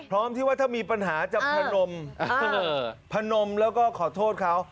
ที่ว่าถ้ามีปัญหาจะพนมพนมแล้วก็ขอโทษเขา